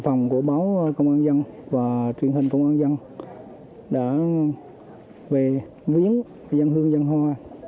phòng của báo công an nhân và truyền hình công an nhân đã về miếng dân hương dân hoa